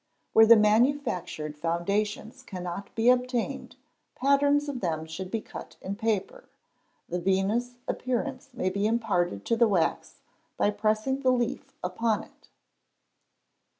Where the manufactured foundations cannot be obtained, patterns of them should be cut in paper; the venous appearance may be imparted to the wax by pressing the leaf upon it.